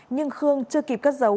nhưng khương chưa kịp cất giấu